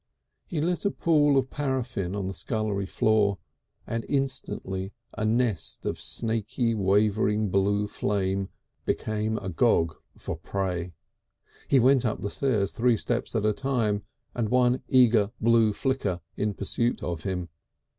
He lit a pool of paraffine on the scullery floor, and instantly a nest of snaky, wavering blue flame became agog for prey. He went up the stairs three steps at a time with one eager blue flicker in pursuit of him.